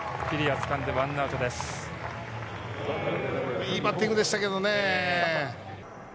いいバッティングでしたけどね。